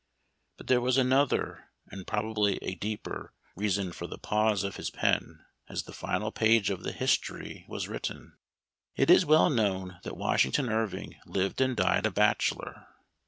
But there was another, and probably a deeper, reason for the pause of 68 Memoir of Washington Irving. his pen as the final page of the " History " was written. It is well known that Washington Irving lived and died a bachelor.